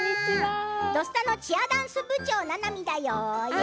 「土スタ」のチアダンス部長ななみだよ。